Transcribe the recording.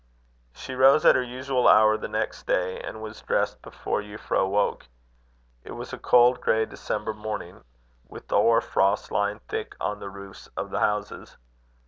She rose at her usual hour the next day, and was dressed before Euphra awoke. It was a cold grey December morning, with the hoar frost lying thick on the roofs of the houses.